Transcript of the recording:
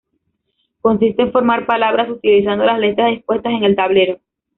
Consiste en formar palabras utilizando las letras dispuestas en el tablero.